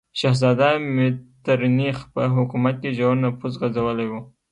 شهزاده میترنیخ په حکومت کې ژور نفوذ غځولی و.